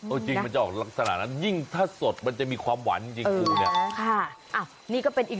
จริงมันจะออกลักษณะนั้นยิ่งถ้าสดมันจะมีความหวานจริงปูเนี่ยก็เป็นอีก